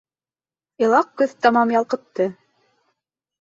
Илаҡ көҙ тамам ялҡытты.